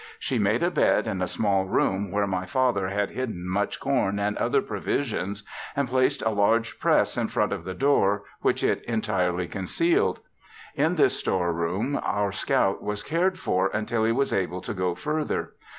She made a bed in a small room where my father had hidden much corn and other provisions, and placed a large press in front of the door which it entirely concealed. In this store room our scout was cared for until he was able to go further.